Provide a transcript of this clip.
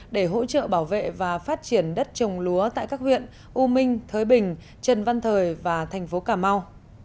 để hỗ trợ bảo vệ và phát triển đất trồng lúa tại các huyện u minh thới bình trần văn thời và thành phố cà mau